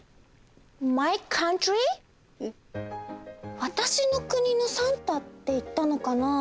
わたしの国のサンタって言ったのかな？